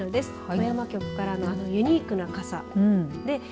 富山局からのあのユニークな傘。